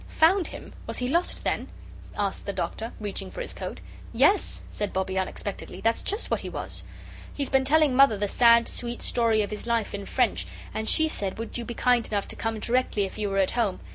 "Found him! Was he lost, then?" asked the Doctor, reaching for his coat. "Yes," said Bobbie, unexpectedly, "that's just what he was. He's been telling Mother the sad, sweet story of his life in French; and she said would you be kind enough to come directly if you were at home.